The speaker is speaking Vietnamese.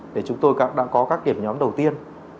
để chúng tôi có các điểm nhóm đầu tiên